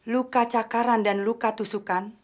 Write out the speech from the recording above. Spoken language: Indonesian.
luka cakaran dan luka tusukan